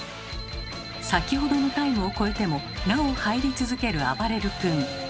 先ほどのタイムを超えてもなお入り続けるあばれる君。